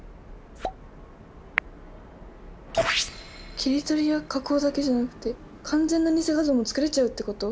切り取りや加工だけじゃなくて完全な偽画像も作れちゃうってこと！？